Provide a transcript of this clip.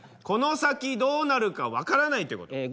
「この先どうなるか分からない」ってこと。